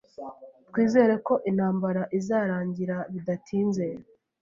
Twizere ko intambara izarangira bidatinze